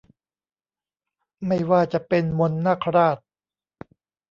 ไม่ว่าจะเป็น มนต์นาคราช